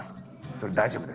それで大丈夫です。